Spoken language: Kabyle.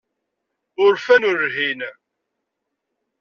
Urfan ur lhin.